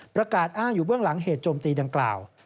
ประกาศอ้างอยู่เบื้องหลังเหตุโจมตีดังกล่าว